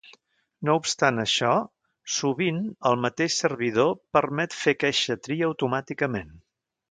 No obstant això, sovint el mateix servidor permet fer aqueixa tria automàticament.